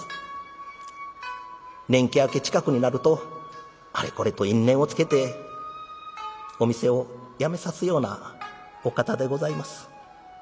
年季明け近くになるとあれこれと因縁をつけてお店をやめさすようなお方でございます。